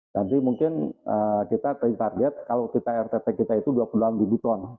nanti mungkin kita terinfarget kalau kita rtt kita itu dua puluh delapan ton